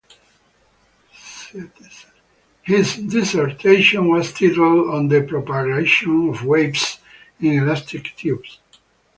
His dissertation was titled "On the Propagation of Waves in Elastic Tubes".